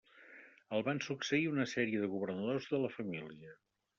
El van succeir una sèrie de governadors de la família.